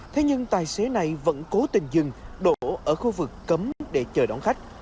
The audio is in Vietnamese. thế nhưng tài xế này vẫn cố tình dừng đổ ở khu vực cấm để chờ đón khách